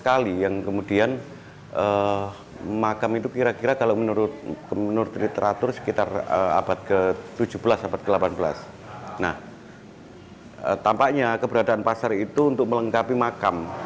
nah tampaknya keberadaan pasar itu untuk melengkapi makam